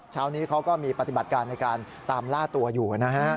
เช้านี้เขาก็มีปฏิบัติการในการตามล่าตัวอยู่นะฮะ